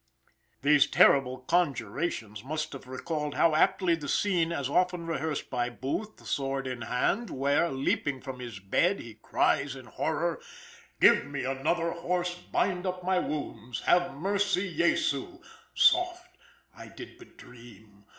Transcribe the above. These terrible conjurations must have recalled how aptly the scene as often rehearsed by Booth, sword in hand, where, leaping from his bed, he cries in horror: "Give me another horse! bind up my wounds! Have mercy, Jesu! Soft! I did but dream.